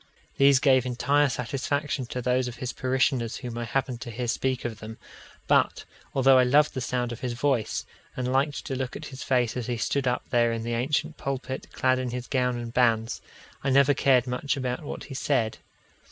These gave entire satisfaction to those of his parishioners whom I happened to hear speak of them; but, although I loved the sound of his voice, and liked to look at his face as he stood up there in the ancient pulpit clad in his gown and bands, I never cared much about what he said.